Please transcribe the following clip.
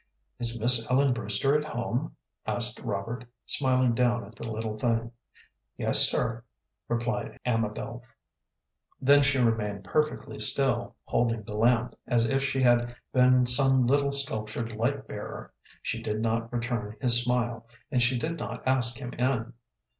"Is Miss Ellen Brewster at home?" asked Robert, smiling down at the little thing. "Yes, sir," replied Amabel. Then she remained perfectly still, holding the lamp, as if she had been some little sculptured light bearer. She did not return his smile, and she did not ask him in.